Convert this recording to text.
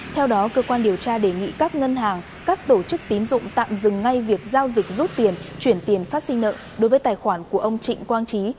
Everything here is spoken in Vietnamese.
theo đó cơ quan điều tra đề nghị các ngân hàng các tổ chức tín dụng tạm dừng ngay việc giao dịch rút tiền chuyển tiền phát sinh nợ đối với tài khoản của ông trịnh quang trí